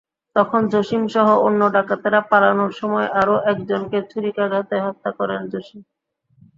তখন জসিমসহ অন্য ডাকাতেরা পালানোর সময় আরও একজনকে ছুরিকাঘাতে হত্যা করেন জসিম।